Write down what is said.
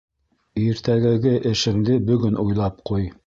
Иртәгәге эшеңде бөгөн уйлап ҡуй.